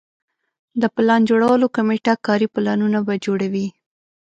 د پلان جوړولو کمیټه کاري پلانونه به جوړوي.